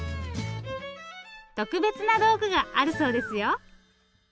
特別な道具があるそうですよ。